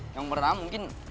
yang pertama mungkin